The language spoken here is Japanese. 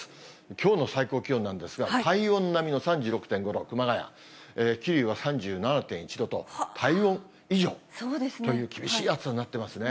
きょうの最高気温なんですが、体温並みの３６．５度、熊谷、桐生は３７．１度と、体温以上という厳しい暑さになってますね。